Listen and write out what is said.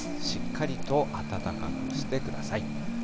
しっかりと暖かくしてください。